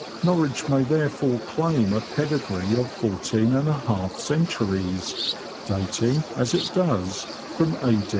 Norwich may therefore claim a pedigree of fourteen and a half centuries, dating, as it does, from A.